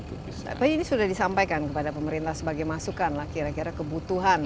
tapi ini sudah disampaikan kepada pemerintah sebagai masukan lah kira kira kebutuhan